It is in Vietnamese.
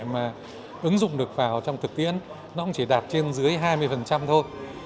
mà ứng dụng được vào trong thực tiễn nó cũng chỉ đạt trên dưới hai mươi thôi